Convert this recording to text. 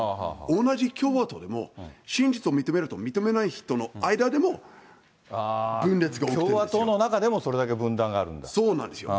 同じ共和党でも、真実を認めると認めない人の間でも、共和党の中でもそれだけ分断そうなんですよ。